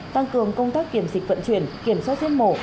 tăng cường công tác kiểm dịch vận chuyển kiểm soát giết mổ